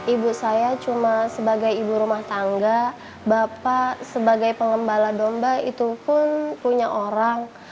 ibu saya cuma sebagai ibu rumah tangga bapak sebagai pengembala domba itu pun punya orang